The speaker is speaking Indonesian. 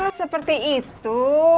ah seperti itu